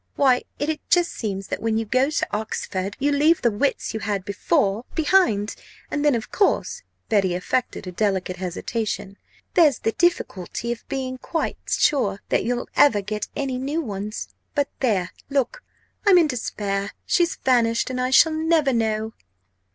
Why, it just seems that when you go to Oxford, you leave the wits you had before, behind! And then of course" Betty affected a delicate hesitation "there's the difficulty of being quite sure that you'll ever get any new ones! But there look! I'm in despair! she's vanished and I shall never know!"